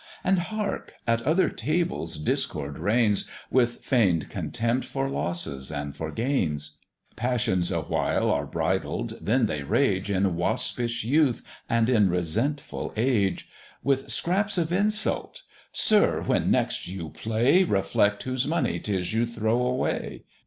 And hark! at other tables discord reigns, With feign'd contempt for losses and for gains; Passions awhile are bridled: then they rage, In waspish youth, and in resentful age; With scraps of insult "Sir, when next you play, Reflect whose money 'tis you throw away.